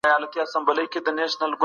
هغه کس چي د ګاونډي کور ته راغی څوک دی؟